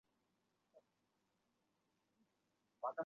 胡拉科是一个位于美国阿拉巴马州摩根县的非建制地区。